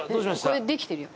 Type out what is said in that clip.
これできてるよ。